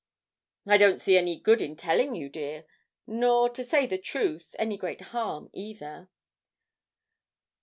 'I don't see any good in telling you, dear, nor, to say the truth, any great harm either.'